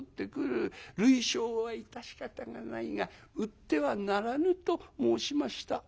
類焼は致し方がないが売ってはならぬ』と申しました」。